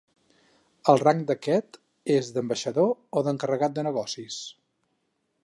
El rang d'aquest és d'ambaixador o d'encarregat de negocis.